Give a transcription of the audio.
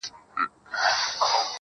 چا ويل ډېره سوخي كوي.